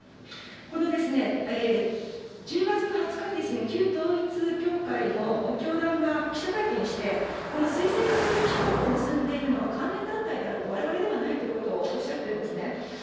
このですね、１０月の２０日に旧統一教会の教団が記者会見して、この推薦確認書を結んでいるのは、関連団体であると、われわれではないということをおっしゃってるんですね。